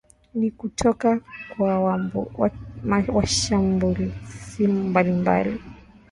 ni kutoka kwa wachambuzi mbalimbali